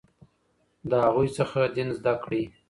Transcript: له هغوی څخه دین زده کړئ.